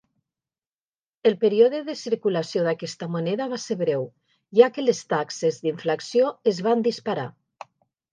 El període de circulació d'aquesta moneda va ser breu, ja que les taxes d'inflació es van disparar.